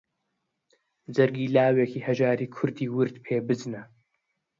جەرگی لاوێکی هەژاری کوردی ورد پێ بنجنە